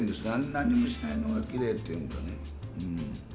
何もしてないのがきれいっていうのがね、うん。